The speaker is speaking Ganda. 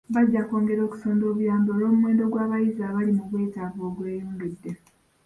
Bajja kwongera okusonda obuyambi olw'omuwendo gw'abayizi abali mu bwetaavu ogweyongedde.